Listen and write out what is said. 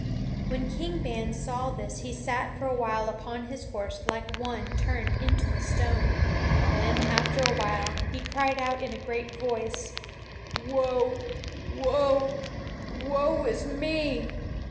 When King Ban saw this he sat for a while upon his horse like one turned into a stone. Then, after a while, he cried out in a great voice: "Woe! Woe! Woe is me!"